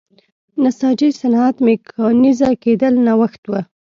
نساجۍ صنعت میکانیزه کېدل نوښت و.